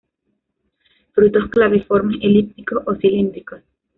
Frutos claviformes, elípticos o cilíndricos.